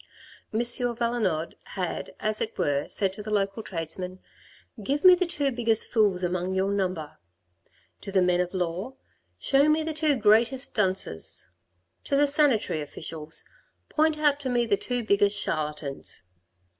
M. Valenod had, as it were, said to the local tradesmen " Give me the two biggest fools among your number;" to the men of law "Show me the two greatest dunces ;" to the sanitary officials " Point out to me the two biggest charlatans."